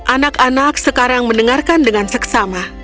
anak anak sekarang mendengarkan dengan seksama